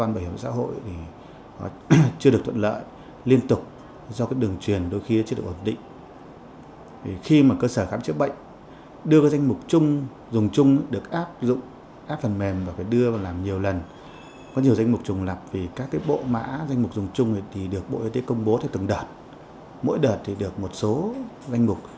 bộ mã danh mục dùng chung thì được bộ y tế công bố từ từng đợt mỗi đợt thì được một số danh mục